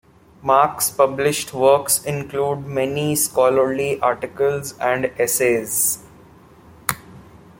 Marks published works include many scholarly articles and essays.